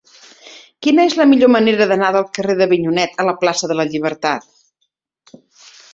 Quina és la millor manera d'anar del carrer d'Avinyonet a la plaça de la Llibertat?